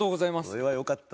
それはよかった。